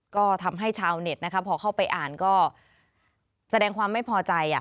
ก็ทำให้ชาวเน็ตนะคะพอเข้าไปอ่านก็แสดงความไม่พอใจ